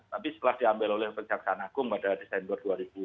tapi setelah diambil oleh kejaksaan agung pada desember dua ribu dua puluh